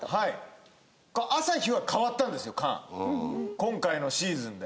今回のシーズンで。